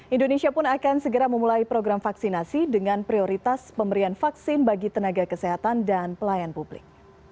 indonesia pun akan segera memulai program vaksinasi dengan prioritas pemberian vaksin bagi tenaga kesehatan dan pelayan publik